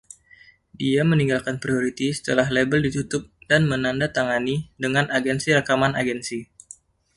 Dia meninggalkan Priority setelah label ditutup dan menandatangani dengan Agensi Rekaman Agensi.